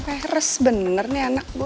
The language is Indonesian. terus bener nih anak gue